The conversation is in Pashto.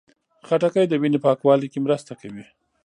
خټکی د وینې پاکوالي کې مرسته کوي.